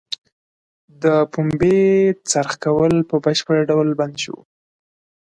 د پنبې څرخ کول په بشپړه ډول بند شو.